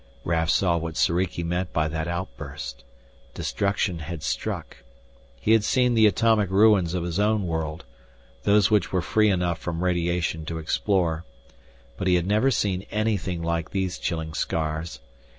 Raf saw what Soriki meant by that outburst. Destruction had struck. He had seen the atomic ruins of his own world, those which were free enough from radiation to explore. But he had never seen anything like these chilling scars.